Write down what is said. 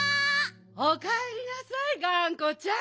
おかえりなさいがんこちゃん。